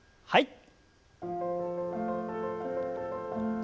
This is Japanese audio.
はい。